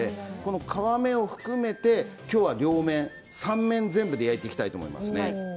皮目を含めてきょうは両面３面、全部焼いていきたいと思います。